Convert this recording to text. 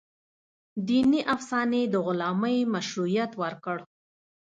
دیني افسانې د غلامۍ مشروعیت ورکړ.